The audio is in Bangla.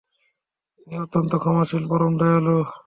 তিনি অত্যন্ত ক্ষমাশীল, পরম দয়ালু।